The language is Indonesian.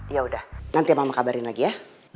ya udah nanti mama kabarin lagi ya